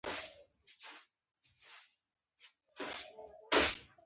ګل خوشبويي لري.